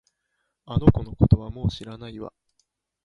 あの子のことはもう知らないわ